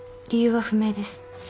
理由は不明です。